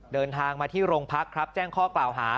เดินทางมาที่โรงพักครับแจ้งข้อกล่าวหา